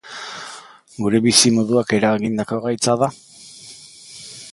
Gure bizimoduak eragindako gaitza da?